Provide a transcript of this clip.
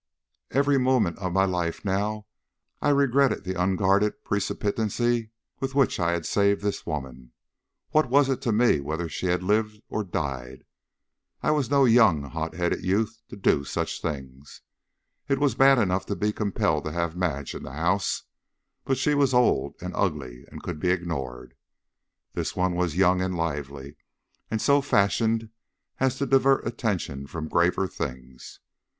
Every moment of my life now I regretted the unguarded precipitancy with which I had saved this woman. What was it to me whether she had lived or died? I was no young, hot headed youth to do such things. It was bad enough to be compelled to have Madge in the house, but she was old and ugly, and could be ignored. This one was young and lively, and so fashioned as to divert attention from graver things.